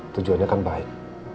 tujuannya kan baik